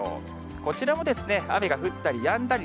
こちらも雨が降ったりやんだり。